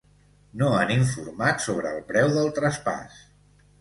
No han informat sobre el preu del traspàs.